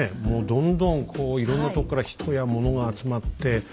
もうどんどんこういろんなとこから人やモノが集まって。